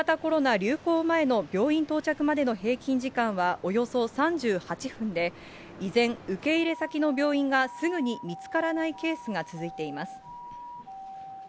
流行前の病院到着までの平均時間はおよそ３８分で、依然、受け入れ先の病院がすぐに見つからないケースが続いています。